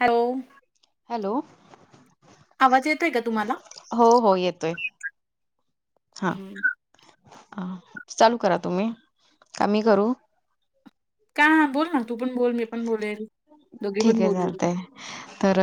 Hello, hello, आवाज येत आहे का तुम्हाला? हो, हो, येतोय,, हा. अ चालू करा तुम्ही,, का मी करू? का बोल ना,, तू पण बोल, मी पण बोलेल. दोघी ठीक पण आहे बोलू. चालतेय. तर,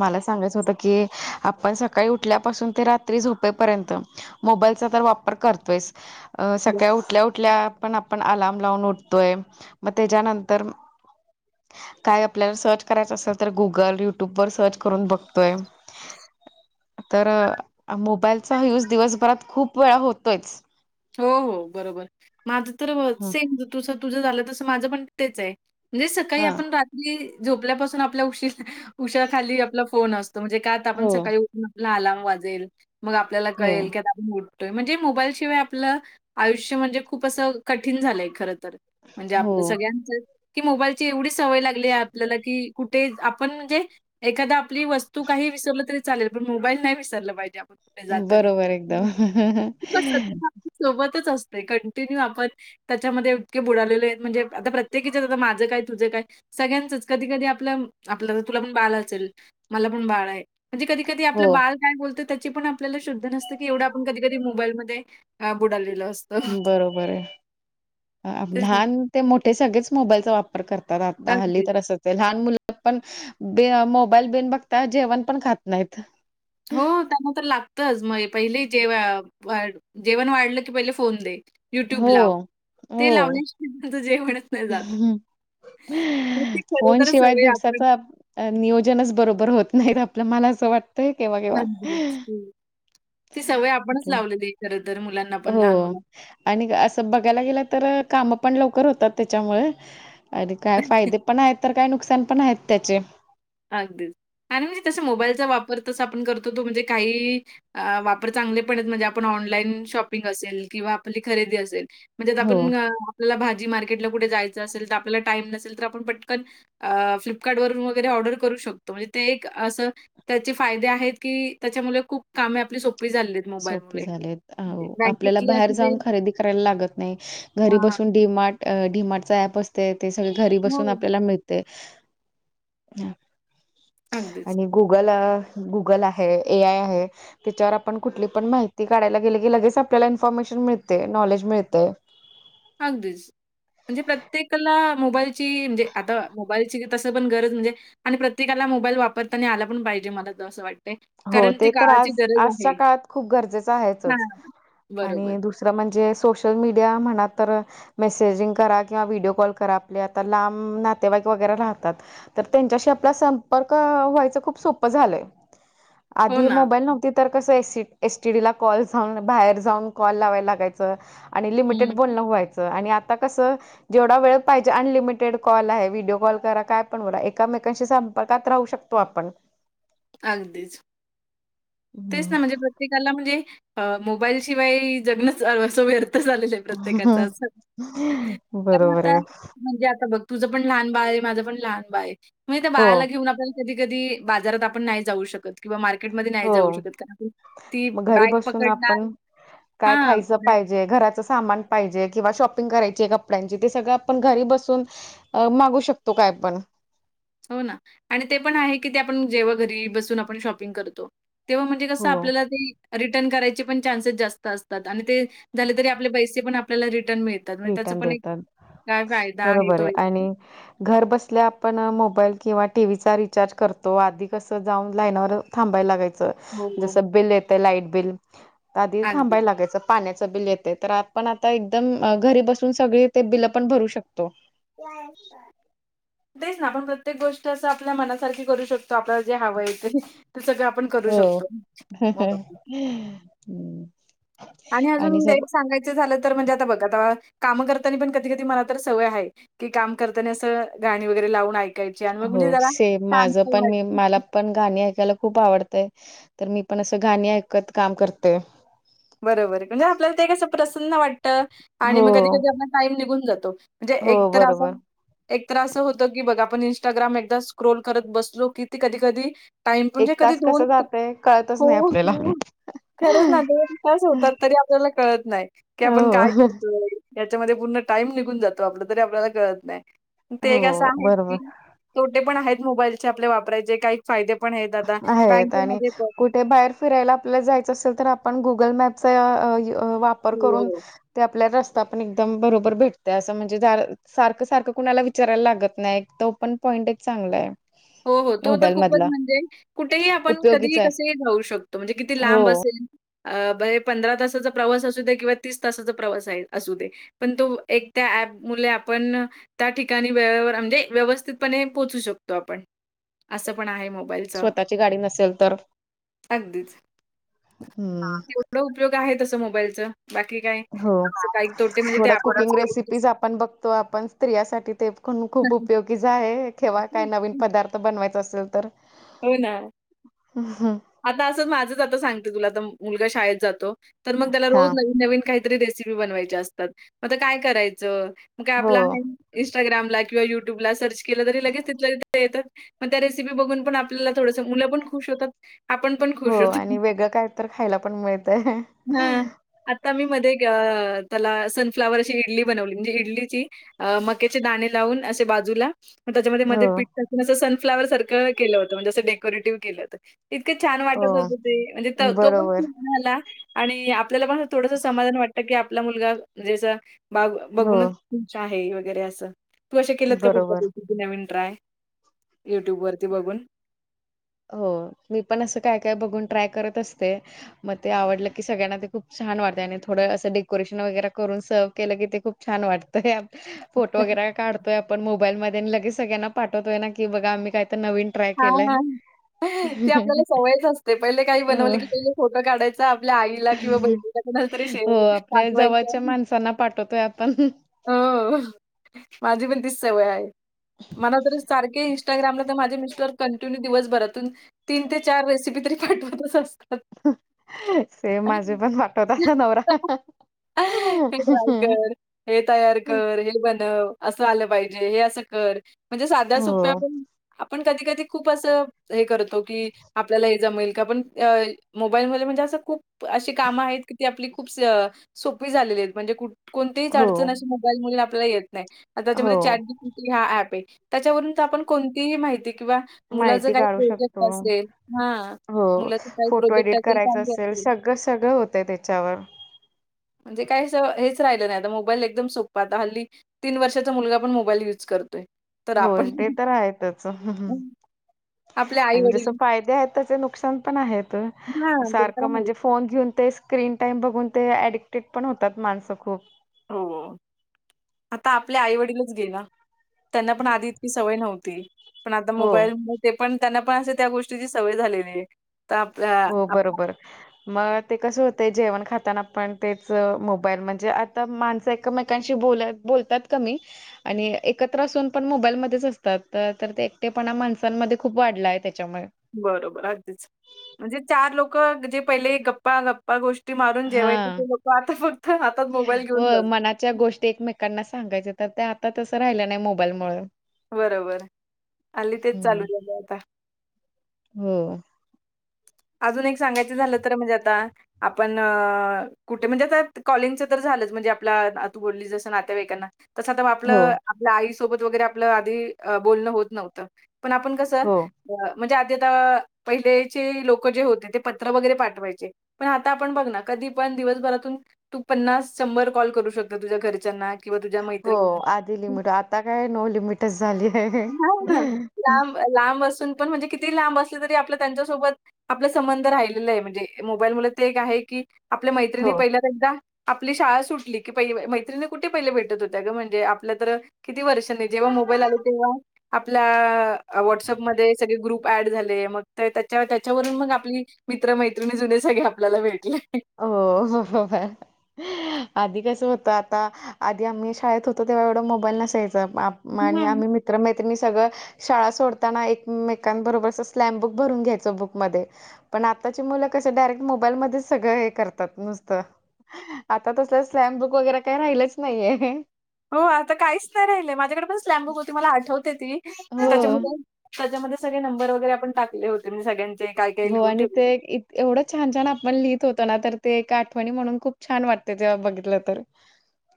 मला सांगायचं होतं की, आपण सकाळी उठल्यापासून ते रात्री झोपेपर्यंतऽ मोबाईलचा तर वापर करतोयच,, अ, सकाळ उठल्या उठल्या पण आपण अलाम लावून उठतोय,, मग त्याच्यानंतरऽ काय आपल्याला सर्च करायचं असेल तर गुगल, युट्यूब, वर सर्च करून बघतोय. तर, मोबाईलचा यूज दिवसभरात खूप वेळा होतोयच. हो, हो, बरोबर माझं तर हं. सेम तुसं तुझं झालं तस माझं पणऽ म्हणजे सकाळी हा आपणऽ झोपल्यापासून आपल्या उशीर, उशाखाली आपला फोन असतो,, महणजे का आ आपण हो सकाळी उठोऽ ला अलर्म वाजेल,, मग आपल्याला हो कळेल की आता आपण उटतोय,, म्हणजे मोबाईल शिवायऽ आपलं आयुष्य म्हणजे, खूप असं कठीण झालंय खर तर, म्हणजे हो आपलं सगळ्यांचंऽ कि मोबाईलची एवढी सवय लागली आहे, आपल्याला कि कुठे आपण म्हणजेऽ एखादा आपली वस्तू काही विसरलं तरी चालेल,, पण मोबाईल नाही विसरलं पाहिजे आपणऽ बरोबर एकदम. सोबतच असतोय कंटिन्यू आपण त्याच्यामध्ये इतके बुडालेले आहेत म्हणजे आता प्रत्येकीच्या आता माझं काय तुझं काय सगळ्यांचच कधी कधी आपलं आपलं तुला पण बाळ असेल मला पण बाळ आहे म्हणजे कधी कधी हो. आपलं बाल काय बोलतं त्याची पण आपल्याला शुद्ध नसतं की एवढं आपण कधी कधी मोबाईलमध्ये हा बुडािलो असते बरोबर आहे तेच ना. लहान ते मोठे सगळेच मोबाईलचा वापर करतात आता हल्ली अगदीच. तर अस लहान मुलं पण ब मोबाईल बिन बघता जेवण पण खात नाहीत हो त्यांना तर लाग पहिले जे जेवण वाढलं की पहिले फोन दे युट्यूब हो. लाव हो. ते लावण्या श त्यांचं जेवणत नाही जात ते फोन खरोखरच शिवाय हवय आपण दिवसाचा नियोजनच बरोबर होत नाहीत आपलं,, मला असं वाटतऽ अ, ती सवय आपणच लावलेली खर तर मुलांनाऽ हो आणि असं बघायला गेलं तर काम पण लवकर होतात त्याच्यामुळे अर काय फायदे पण आहेत तर काय नुकसान पण आहेत त्याचे अगदीच आणि म्हणजे तस मोबाईलचा वापर तस आपण करतो तो म्हणजे काही अ वापर चांगले पण म्हणजे आपण ऑनलाईन शॉपिंग असेल किंवा आपली खरेदी असेल म्हणजेत हो. आपण आपल्याला भाजी मार्केटला कुठे जायचं असेल तर आपल्याला टाइम नसेल तर आपण पटकन अ फ्लिपकार्ट वून वगैरे ऑर्डर करू शकतो म्हणजे ते एक असं त्याचे फायदे आहेत की त्याच्यामुळे खूप कामे आपली सोपी झाली आहेत सोपे मोबाईलमुळे. झाले आपल्याला बँकेतली बाहेर असू दे जाऊन खरेदी करायला लागत नाही घरी अ, बसून डीमार्ट डीमार्ट ऍप असते ते सगळे घरी हो. बसून आपल्याला मिळत ते अगदीच गुगल गुगल आहे ए आय आहे त्याच्यावर आपण कुठली पण माहिती काढयला गेली की लगेच आपल्याला इन्फॉर्मेशन मिळते नॉलेज मिळते अगदीच म्हणजे प्रत्येकाला मोबाईलची म्हणजे आता मोबाईलची तं पण गरज म्हणजे आणि प्रत्येकाला मोबाईल वापरताना आला पण पाहिजे मला असं वाटत हो ते तर आज आजच्या काळात खूप गरजेचं आहेचच हां, बरोबर. आणि दुस दुसरं म्हणजे सोशल मीडिया म्हणा तर मेसेजिंग करा किंवा व्हिडिओ कॉल करा आपले आता लांब नातेवाई वगैरे राहतात तर त्यांच्याशी आपला संपर्क व्हायच खूप सोपं झालंय हो आधी ना. मोबाईल नव्हती तर कसं एसी एसटीडी ला कॉल जाऊन बाहेर जाऊन कॉल लावायला लागायच लिमिटेड हं, बण व्हायचं आणि आता कस जेवढा वेळ पाहिजे अनलिमिटेड कॉल आहे व्हिडिओ कॉल करा काय पण बो एकामेकांशी संपर्कात राहू शकता तो आपण अगदीच तेच हम्म. ना म्हणजे प्रत्येकाला म्हणजे मोबाईल शिवाय जगण असो व्यर्थ झालेलं प्रत्येका अस बरोबर आ आहे म्हणजे आता बघ तुझं पण लहान बाय आहे माझं पण लहान बा आहे म त्या हो बायाला घेऊन आपल्या कधी कधी बाजारात आपण नाही जाऊ शकत किंवा मार्केटमध्येध्ये नाही हो जाऊ शक त मग घरी बॅग बसून पकडणार हा घराच सामान पाहिजे किंवा शॉपिंग करायची कपड्यांची ते सगळं आपण घरी बसून अ मागू शकतो काय आपण हो ना आणि ते पण आहे की ते आपण जेव्हा घरी बसून आपण शॉपिंग करतो तेव्हा म्हणजे कसं हो आपल्याला ते रिटर्न करायचे पण चान्सेस जास्त असतात आणि ते झाले तरी आपले पैसे पण आपल्याला रिटर्न मिळत. रिटर्न देतात बरोबर तो आहे एक. आणि घर बसल्या आपण मोबाईल किंवा टी व्हीचा रिचार्ज करतो आधी कसं जाऊन लाईनवर थांबायला लागायचं हो, हो. जसं बिल येतं लाईट बिल, आधी अगदी. थांबायला लागायचं. पाण्याचं बिल येते तर आपण आता एकदम घरी बसून सगळी ते बिल पण भरू शकतो. [unintelligible] तेच ना आपण प्रत्येक गोष्ट असं आपल्या मनासारखी करू शकतो आपल्याला जे हवं येतं. ते सगळं आपण करू हो शकतो. हम्म. हम्म. आणि अजून सांगायचं झालं तर म्हणजे आता बघा आता कामं करताना पण कधी कधी मला तर सवय हाय कि काम करताना असं गाणी वगैरे लावून ऐका हो सेम माझ पण मी मला पण गाणी ऐकायला खूप आवडतय तर मी पण असं गाणी ऐकत काम करते. बरोबर आहे म्हणजे आपल्याला ते कसं प्रसन्न वाटतं आणि हो मग कधी कधी आपला टाइम निघून जातो. म्हणजे हो एकतर बरोबर असं एक तर असं होतं की बघा आपण इंस्टाग्राम एकदा स्क्रोल करत बसलो किती कधी कधी, टाईम म्हणजे एक कधी तास दोन कसं जातय कळतच नाही हो आपल्याला. खरच ना दोन आपल्या कळत नाही हो आपण काय कर याच्यामध्ये पूर्ण टाईम निघून जातो आपलं तरी आपल्याला कळत नाय. ते एक असं हो आहे बरोबर की तोटे पण आहेत मोबाईलचे आपल्या वापरायचे काही. फायदे पण आहेत आता आहेत आणि बँकेमध्ये पण कुठे बाहेर फिरायला आपल्याला जायच असेल तर आपण गुगल मॅपचा वापर हो, करून, हो. ते आपल्याला रस्ता पण एकदम बरोबर भेटत असं म्हणजे सारखं सारखं कुणाला विचारायला लागत नाही एक तर पण पॉईंट एक चांगला आहे. हो हो तो तर मोबाईल खूपच मधला म्हणजे कुठेही आपण उपयोगीच कधीही आहे कसेही घेऊ शकतो म्हणजे किती हो. लांब असेल? अ बरे पंधरा तासाचा प्रवास असू दे किंवा तीस तासाचा प्रवास आहे असू दे. पण तो एक त्या ऍप मुळे आपण त्या ठिकाणी वेळेवर म्हणजे व्यवस्थितपणे पोहोचू शकतो आपण. असं पण आहे मोबाईलच. स्वतःची गाडी नसेल तर अगदीच. हम्म तेवढा उपयोग आहे तस मोबाईलच बाकी काय हो काही. तोटे म्हणजे ते थोडं हां. आपणच कुकिंग रेसिपीज करून आपण बघतो आपण स्त्रियासाठी ते पण खूप उपयोग आहे खेवा काय नवीन पदार्थ बनवायच असेल तर हो ना आता असं माझंच आता सांगते तुला आता मुलगा शाळेत जातो. तर मग त्याला हा रोज नवीन नवीन काहीतरी रेसिपी बनवायची असतात मग ते काय करायचं? काय हो आपला आहे. इनस्टाग्रामला किंवा युट्यूब ला सर्च केलं तरी लगेच तिथला येतात मग त्या रेसिपी बघून पण आप ल्याला थोडस मुलं पण खुश होतात आपण पण हो खुश होतो. आणि वेगळं काय तर खायला पण मिळतय. हां. आता मी मध्ये त्याला सनफ्लावरची इडली बनवली म्हणजे इडलीची अ मकेचे दाणे लावून असे बाजूला मग त्याच्यामध्ये हो मध्ये पीठ टाकून असं सनफ्लावर सारख केलं होतं म्हणजे असं डेकोरेटिव्ह केलेलं. इतकं छान हो वाटत होत ते म्हणजे तो पण बरोबर खूश झाला आणि आप आपल्याला पण थोडस समाधान वाटतं की आपला मुलगा जस बा हो बघूनच खुश आहे वगैरे असं तू असे केलंत का बरोबर कुठंल्या नवीन ट्राय युट्यूब वरती बघून. हो मी पण असं काय काय बघून ट्राय करत असते. मग ते आवडलं की सगळ्यांना ते खूप छान वाटतय आणि थोडं असं डेकोरेशन वगैरे करून सर्व केलं की ते खूप छान वाटतंय आ फोटो वगैरे काढतोय आपण मोबाईलमध्ये लगेच सगळ्यांना पाठवतोय ना की बघा आम्ही काय तर नवीन ट्राय केले. ते आपल्याला सवयच असते पहिले काही बनवले हो की पहिले फोटो काढायचा आपल्या आईला किंवा कुणाला तरी हो शेवट आपल्या जवळच्या पाठवायचं. माणसांना पाठवतोय आपण हो. माझी पण तीच सवय आहे, मला तर सारख इंस्टाग्राला तर, माझे मिस्ट कंटिन्यू दिवसभरातून, तीन ते चार रेसिपी तरी पाठवतच असतात. सेम माझे पण पाठवतात नवरा. हे ट्राय कर. हे तयार कर हे बनव असं आलं पाहिजे, हे असं कर म्हणजे साध्या सोप्या हो पण. कधी कधी खुप असं हे, करतो की आपल्याला येत जमेल का पण मोबाईल म्हणजे, अस खूप अशी काम आहेत की आपली. खूप सोपी झालेली आहेत. म्हणजे कोणतीहीच हो अडचण अशी मोबाईलमुळे आपल्याला येत नाही. त्यांच्यामध्ये हो चॅट जी टी पी हा ऍप आहे. त्याच्यावरून आपण कोणतीही माहिती किंवा, मुलाचं माहिती काही काढू प्रोजेक्ट शकतो. असेल हा. हो, फोटो एडिट करायच असेल, सगळं सगळं होतंय तेच्यावर. म्हणजे काय अस हेच राहिलं नाही, आता मोबाईल एकदम सोप्पं आता हल्ली. तीन वर्षाचा मुलगा पण मोबाईल युज करतोय. तर होय, आपण ते तर आहेतच. आपले आणि जस आई-वडील फायदे आहेत, तसे नुकसान पण आहेत. हां, ते तर सारखं आहेच. म्हणजे फो फोन घेऊन ते स्क्रीन टाईम बघून ते, ऍडिक्टेड पण होतात माणसं खूप. हो. आता आपल्या आई वडीलच घेणा, त्यांना पण आधी इतकी सवय नव्हती. पण आता हो मोबाईल मुळे पण, त्यांना पण असे त्या गोष्टीची सवय झालेली आहे. तर आपल्या हो आप बरोबर. मग ते कसं होतंय, जेवण खाताना पण तेच मोबाईल म्हणजे अति त माणसं एकमेकांशी बोल बोलतात कमी. आणि एकत्र असून पण मोबाईलमध्येच असतात. तर, तर ते एकटेपणा माणसांमध्ये खूप वाढला आहे. त्यांच्यामुळे बरोबर आगदिच म्हणजे चार लोक जे पहिले गप्पा गप्पा गो ष्टी मारून हा जेवायची ती लोकं, आता फक्त हातात मोबाईल घेऊन ब [unintelligible] ते एकमेकांना सांगायच तर ते, आता तसं राहिलं नाही मोबाईलमुळे. बरोबर, हाली तेच चालू हम्म झालय आता. हो. अजून एक सांगायचं झालं तर, म्हणजे आता आपण कुठे म्हणजे, आता कॉलिंगचं तर झालंच, म्हणजे आपला तू बोलली जसं नातेवाइकांना. तस तर आपलं हो आपल्या आईसोबत वगैरे आपलं, आधी बोलणं होत नव्हतं. पण आपण कसं, हो म्हणजे आधी आता, पहिलेचे लोक. लोक जे होते ते पत्र वगैरे पाठवायचे. पण आता आपण बघ ना, कधी पण दिवसभरातून तू पन्नास शंभर कॉल करू शकतो, तुझ्या घरच्यांना. किंवा तुझ्या हो आधी मैत्रिणींना. लिमिट, आता काय नो लिमिटच झालंय. हां ना. लांब, लांब असून पण म्हणजे किती लांब असले तरी आपल्या त्यांच्यासोबत. आपला संबंध राहिलेलं आहे, म्हणजे मोबाईल मुळं ते एक आहे की आपल्या मैत्रिणी हो पहिल्या. एकदा आपली शाळा सुटली की, पहिली मैत्रिणी कुठे पहिले भेटत होत्या गं, म्हणजे आपल्या तर. किती वर्षांनी जेव्हा, मोबाईल आले तेव्हा आपल्या. व्हॉट्सअपमध्ये सगळे ग्रुप ऍड झाले. मग त्यांच्या त्या त्यांच्यावरून मग आपली, मित्र मैत्रिणी जुने सगळे आपल्याला भेटले. हो हो व्हयं. आधी कसं होतं, आता आधी आम्ही शाळेत होतो तेव्हा एवढं मोबाईल नसायचा. म.. आणि हं. आम्ही मित्रमैत्रिणी सगळं. शाळा सोडताना एकमेकांबरोबर स्लॅम् बुक भरून घ्यायचं बुकमध्ये. पण आताची मुलं कस डायरेक्ट मोबाईलमध्येचं. सगळं हे करतात नुसतं, आता तसलं स्लॅम बुक वगैरे काय राहिलंच नाहीये. हो आता काहीच नाही. राहिले माझ्याकडे पण स्लॅमबुक होती. मला आठवते ती मी हो. त्यांच्यामध्ये, त्याच्यामध्ये सगळे नंबर वैगरे टाकले होते. म्हणजे सगळ्यांचे काय काय हो लिहून आणि ठेवले. ते होते. एवढं छान छान आपण लिहित होतो. ना तर ते एक आठवणी म्हणून खूप छान वाटते तेव्हा बघितलं तर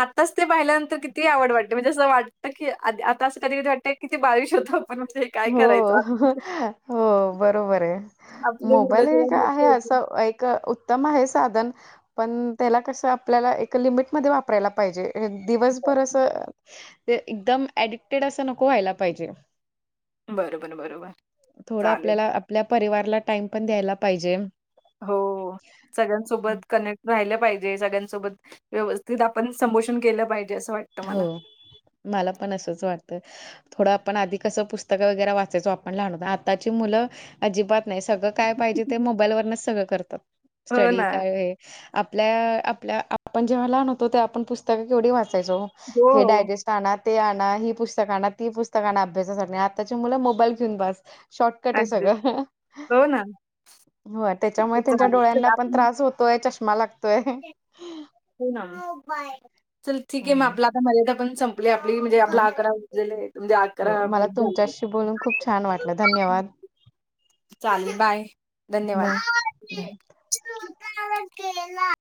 आताच ते पाहिल्यानंतर किती आवड वाटते म्हणजे असं वाटतं की आ आता असं कधी कधी वाटतं किती बालिश होतो ते आपण काय हो करायचो? हो बरोबर आहे. आपली मुलं मोबाईल हे जेव्हा का आहे मोठी होतील असं एक उत्तम आहे साधन पण त्याला कसं आपल्याला एक लिमिटमध्येध्ये वापरायला पाहिजे दिवसभर असं ते एकदम ऍडिक्टेड असं नको व्हायला पाहिजे. बरोबर बरोबर थोडं चालेल. आपल्याला आपल्या परिवारला टाइम पण द्यायला पाहिजे. हो सगळ्यांसोबत कनेक्ट राहिलं पाहिजे. सगळ्यांसोबत व्यवस्थित आपण संबोषण केलं. पाहिजे असं वाट हो मला पण असंच वाटत थोडं आपण आधी कसं पुस्तकं वगैरे वाचायचो आपण लहान होत आताची मुलं अजिबात नाही सगळं काय पाहिजे ते मोबाईल वरनच सगळं करतात हो स्टडी ना. काय हे आपल्या आपल्या आपण जेव्हा लहान होतो ते आपण पुस्तकं केवढी वाचायचो हो, हो. हे ाजेस्ट आणा ते आणा ही पुस्तक आणा ती पुस्तक आण अभ्यासासाठी आताची मुलं मोबाईल घेऊन बस शॉर्टकट आहे. अगदीच. सगळं हो ना. हो ठीक त्याच्यामुळे आहे त्यांच्या चालेल चल डोळ्यांना पण आपण त्रास होतोय चष्मा लागतोय हो बाय चल ठीक आहे मग हम्म. आपला आता मर्यादा पण संपली आपली म्हणजे आपला अकरा उलय म्हणजे हो अकरा मला मिनिट झाले तुमच्याशी बोलून खूप छान वाटलं धन्यवाद चालेल बाय बाय धन्यवाद